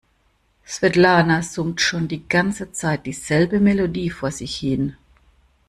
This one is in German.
Svetlana summt schon die ganze Zeit dieselbe Melodie vor sich hin.